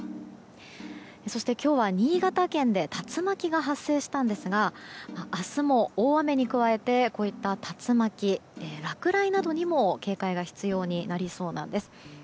そして今日は新潟県で竜巻が発生したんですが明日も大雨に加えてこういった竜巻、落雷などにも警戒が必要になりそうなんです。